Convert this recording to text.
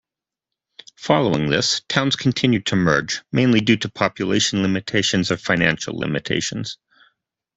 Following this, towns continued to merge mainly due to population limitations or financial limitations.